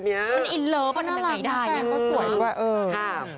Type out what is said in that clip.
น่ารักน้อยด้ายว่า